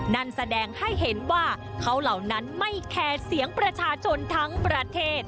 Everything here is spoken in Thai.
นั่นแสดงให้เห็นว่าเขาเหล่านั้นไม่แคร์เสียงประชาชนทั้งประเทศ